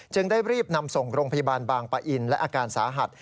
ได้รีบนำส่งโรงพยาบาลบางปะอินและอาการสาหัส